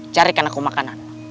carikan aku makanan